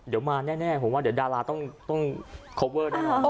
เดี๋ยวมาแน่ผมว่าเดี๋ยวดาราต้องโคเวอร์แน่นอน